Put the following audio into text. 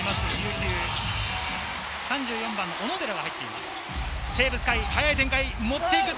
３４番の小野寺が入っている。